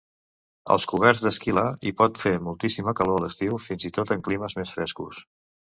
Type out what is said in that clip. Als coberts d'esquila hi pot fer moltíssima calor a l'estiu, fins i tot en climes més frescos.